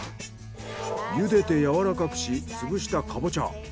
茹でてやわらかくし潰したカボチャ。